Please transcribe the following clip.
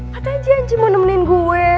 patah aja anci mau nemenin gue